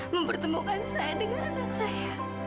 mempertemukan saya dengan anak saya